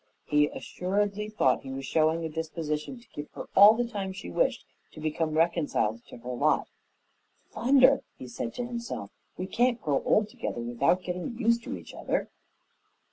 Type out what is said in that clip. He assuredly thought he was showing a disposition to give her all the time she wished to become reconciled to her lot. "Thunder!" he said to himself, "we can't grow old together without getting used to each other."